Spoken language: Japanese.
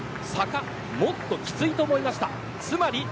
坂、もっときついと思っていました。